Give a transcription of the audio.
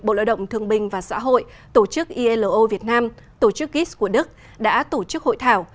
bộ lợi động thương bình và xã hội tổ chức ilo việt nam tổ chức gis của đức đã tổ chức hội thảo